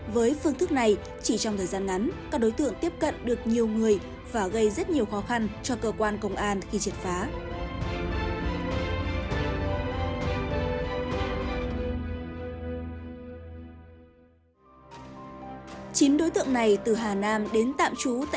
với phương thức này chỉ trong thời gian ngắn các đối tượng tiếp cận được nhiều người và gây rất nhiều khó khăn cho cơ quan công an khi triệt phá